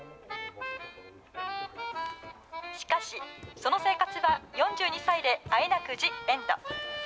しかし、その生活は４２歳であえなく、ジ・エンド。